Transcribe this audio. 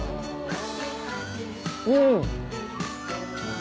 うん。